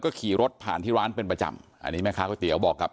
ก็ขี่รถผ่านที่ร้านเป็นประจำอันนี้แม่ค้าก๋วยเตี๋ยวบอกกับ